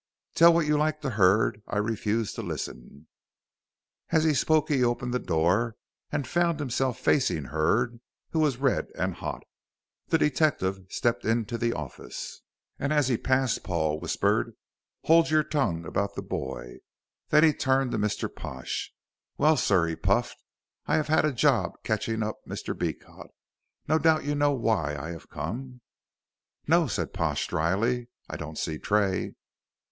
"Tell what you like to Hurd. I refuse to listen." As he spoke he opened the door and found himself facing Hurd who was red and hot. The detective stepped into the office, and as he passed Paul, whispered, "Hold your tongue about the boy," then he turned to Mr. Pash. "Well, sir," he puffed, "I have had a job catching up Mr. Beecot. No doubt you know why I have come?" "No," said Pash, dryly; "I don't see Tray."